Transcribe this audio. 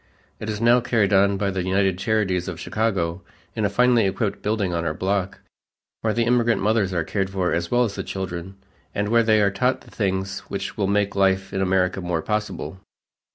It is now carried on by the United Charities of Chicago in a finely equipped building on our block, where the immigrant mothers are cared for as well as the children, and where they are taught the things which will make life in America more possible.